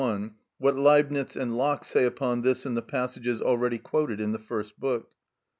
26 31), what Leibnitz and Locke say upon this in the passages already quoted in the first book.